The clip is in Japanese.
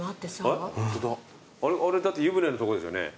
あれだって湯船のとこですよね。